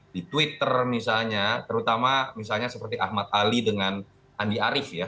di twitter misalnya terutama misalnya seperti ahmad ali dengan andi arief ya